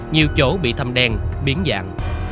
nhiều chỗ bị thăm đen biến dạng